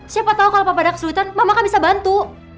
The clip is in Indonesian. siapa tau kalo papa ada kesulitan mama kan bisa bantu